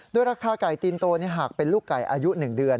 โดยราคาไก่ตีนโตหากเป็นลูกไก่อายุ๑เดือน